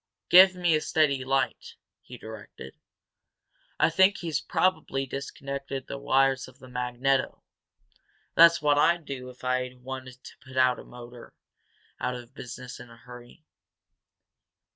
"Give me a steady light," he directed. "I think he's probably disconnected the wires of the magneto that's what I'd do if I wanted to put a motor out of business in a hurry.